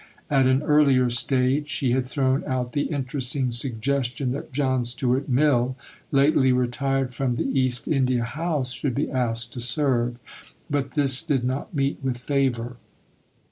At an earlier stage she had thrown out the interesting suggestion that John Stuart Mill, lately retired from the East India House, should be asked to serve, but this did not meet with favour.